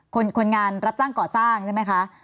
คนงานรับจ้างก่อสร้างใช่ไหมคะ